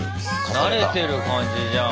慣れてる感じじゃん。